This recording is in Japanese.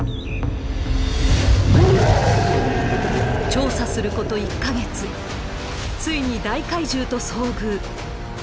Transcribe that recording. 調査すること１か月ついに大海獣と遭遇。